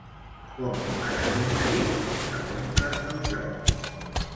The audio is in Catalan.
Com han aconseguit interrompre el joc?